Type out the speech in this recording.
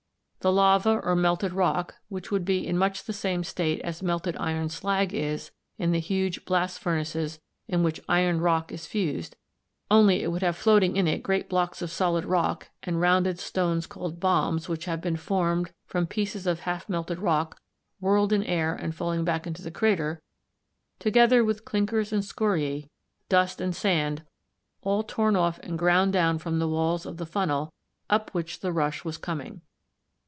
The lava, or melted rock, would be in much the same state as melted iron slag is, in the huge blast furnaces in which iron rock is fused, only it would have floating in it great blocks of solid rock, and rounded stones called bombs which have been formed from pieces of half melted rock whirled in air and falling back into the crater, together with clinkers or scoriæ, dust and sand, all torn off and ground down from the walls of the funnel up which the rush was coming.